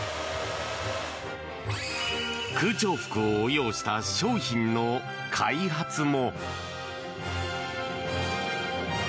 空調服を応用した商品の開発も。